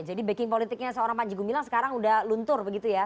backing politiknya seorang panji gumilang sekarang udah luntur begitu ya